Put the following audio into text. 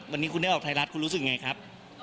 วันนี้คุณได้ออกไทยรัฐคุณรู้สึกไงครับ